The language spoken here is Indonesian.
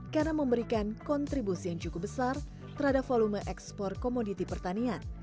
karena memberikan kontribusi yang cukup besar terhadap volume ekspor komoditi pertanian